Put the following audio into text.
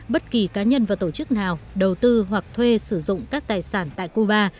bất kỳ cá nhân và tổ chức nào đầu tư hoặc thuê sử dụng các tài sản tại cuba